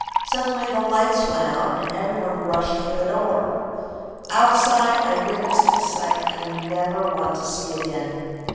Suddenly the lights went out, and every one rushed for the door. "Outside I witnessed a sight I never want to see again.